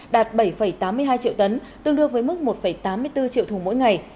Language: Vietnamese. đạt bảy tám mươi hai triệu tấn tương đương với mức một tám mươi bốn triệu thùng mỗi ngày